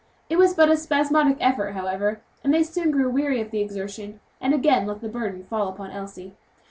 It was but a spasmodic effort, however, and they soon grew weary of the exertion, and again let the burden fall upon Elsie.